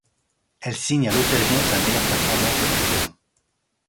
Elle signe à l'occasion sa meilleure performance de la saison.